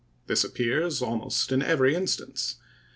This appears almost in every instance.